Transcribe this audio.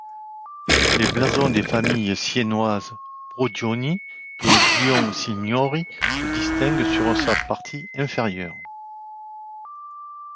Les blasons des familles siennoises Brogioni et Buonsignori se distinguent sur sa partie inférieure.